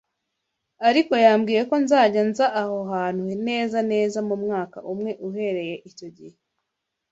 ariko yambwiye ko nzajya nza aho hantu neza neza mu mwaka umwe uhereye icyo gihe